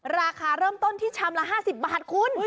ราคาเริ่มต้นที่ชามละ๕๐บาทคุณ